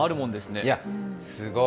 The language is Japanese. いや、すごい。